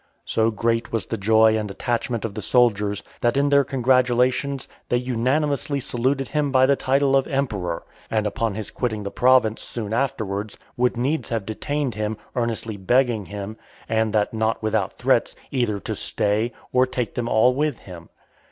So great was the joy and attachment of the soldiers, that, in their congratulations, they unanimously saluted him by the title of Emperor ; and, upon his quitting the province soon afterwards, would needs have detained him, earnestly begging him, and that not without threats, "either to stay, or take them all with him."